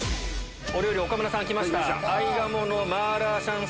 お料理岡村さん来ました。